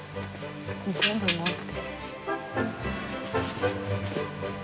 全部持って。